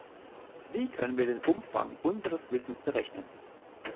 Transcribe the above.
Wie können wir den Umfang unseres Wissens berechnen?